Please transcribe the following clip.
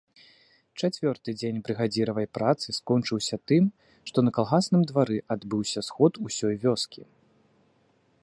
Чацвёрты дзень брыгадзіравай працы скончыўся тым, што на калгасным двары адбыўся сход усёй вёскі.